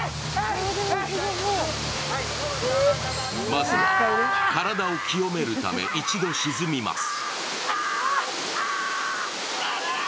まずは体を清めるため、一度沈みます。